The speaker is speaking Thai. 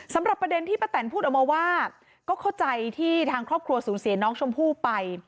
ประเด็นที่ป้าแตนพูดออกมาว่าก็เข้าใจที่ทางครอบครัวสูญเสียน้องชมพู่ไป